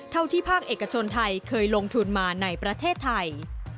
เท่าที่ภาคเอกชนไทยเคยลงทุนมาในประเทศไทย